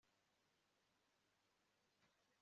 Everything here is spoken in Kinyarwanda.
Gusimbuza Ibyangiza Umubiri byose